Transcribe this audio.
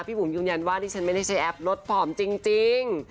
พี่บุ๋มยืมยันว่านี่ฉันไม่ใช่แอปนดฟอร์มจริง